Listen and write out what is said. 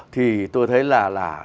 thì tôi thấy là